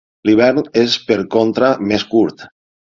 L'hivern és, per contra, més curt.